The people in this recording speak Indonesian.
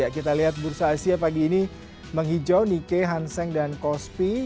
kita lihat bursa asia pagi ini menghijau nike hanseng dan kospi